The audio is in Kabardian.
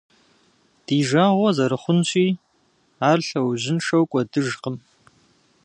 Ди жагъуэ зэрыхъунщи, ар лъэужьыншэу кӏуэдыжкъым.